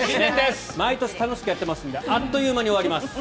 毎年楽しくやっていますのであっという間に終わります。